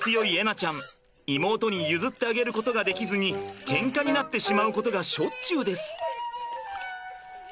菜ちゃん妹に譲ってあげることができずにけんかになってしまうことがしょっちゅうです。